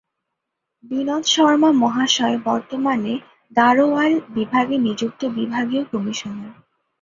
বিনোদ শর্মা মহাশয় বর্তমানে গাড়োয়াল বিভাগে নিযুক্ত বিভাগীয় কমিশনার।